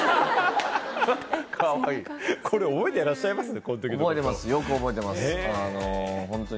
これ覚えてらっしゃいますか？